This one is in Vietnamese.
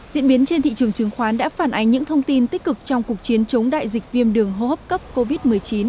diễn biến trên thị trường chứng khoán đã phản ánh những thông tin tích cực trong cuộc chiến chống đại dịch viêm đường hô hấp cấp covid một mươi chín